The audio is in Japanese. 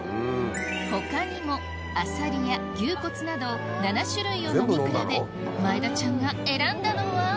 他にもあさりや牛骨など７種類を飲み比べ前田ちゃんが選んだのは？